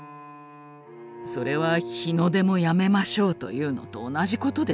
それは日の出もやめましょうというのと同じことです。